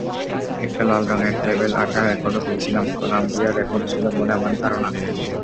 একটা লাল রঙের label আঁটা রেকর্ডও পেয়েছিলাম—কলাম্বিয়া record ছিল বলে আমার ধারণা।